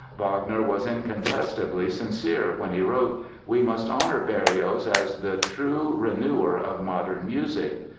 Wagner was incontestably sincere when he wrote: "We must honor Berlioz as the true renewer of modern music".